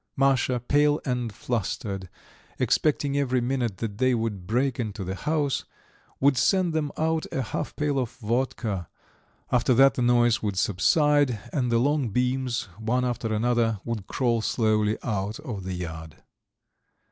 Masha, pale and flustered, expecting every minute that they would break into the house, would send them out a half pail of vodka; after that the noise would subside and the long beams, one after another, would crawl slowly out of the yard.